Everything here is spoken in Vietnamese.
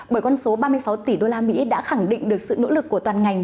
bởi con số ba mươi sáu tỷ usd đã khẳng định được sự nỗ lực của toàn ngành